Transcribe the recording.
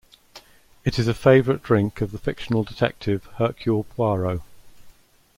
It is a favourite drink of the fictional detective Hercule Poirot.